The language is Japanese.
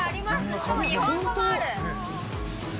しかも日本語もある。